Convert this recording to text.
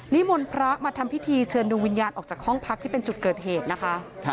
มนต์พระมาทำพิธีเชิญดวงวิญญาณออกจากห้องพักที่เป็นจุดเกิดเหตุนะคะ